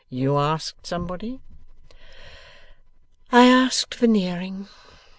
You asked somebody?' 'I asked Veneering.